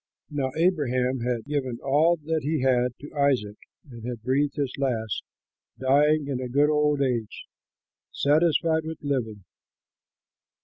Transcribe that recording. Now Abraham had given all that he had to Isaac and had breathed his last, dying in a good old age, satisfied with living.